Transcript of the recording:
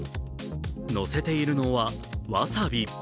のせているのは、わさび。